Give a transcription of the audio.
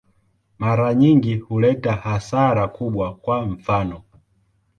Mara nyingi huleta hasara kubwa, kwa mfano.